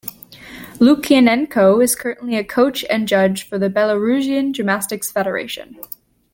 Loukianenko is currently a coach and judge for the Belarusian Gymnastics Federation.